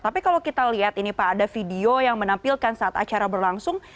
tapi kalau kita lihat ini pak ada video yang menampilkan saat acara berlangsung